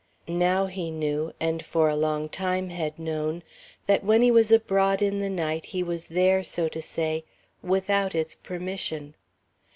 Now he knew, and for a long time had known, that when he was abroad in the night he was there, so to say, without its permission.